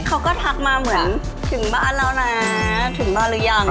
เขาก็ทักมาเหมือนถึงบ้านเรานะถึงมาหรือยัง